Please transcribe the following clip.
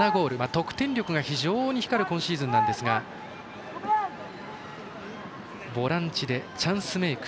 得点力が非常に光る今シーズンなんですがボランチで、チャンスメーク。